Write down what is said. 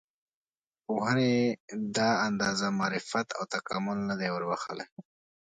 پوهنې دا اندازه معرفت او تکامل نه دی وربښلی.